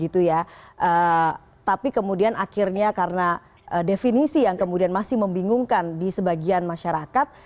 tapi kemudian akhirnya karena definisi yang kemudian masih membingungkan di sebagian masyarakat